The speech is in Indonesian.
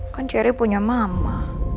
kan cherry punya mama